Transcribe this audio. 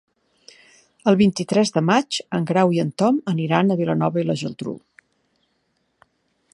El vint-i-tres de maig en Grau i en Tom aniran a Vilanova i la Geltrú.